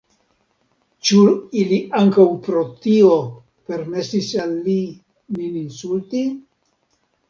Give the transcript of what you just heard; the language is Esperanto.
Ĉu ili ankaŭ pro tio permesis al li nin insulti?